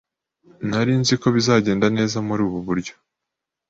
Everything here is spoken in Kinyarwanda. Nari nzi ko bizagenda neza muri ubu buryo.